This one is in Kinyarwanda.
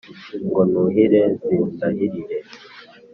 Ngo nuhire nzidahirire